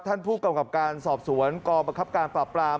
ท่านผู้กำกับการสอบสวนกรประคับการปราบปราม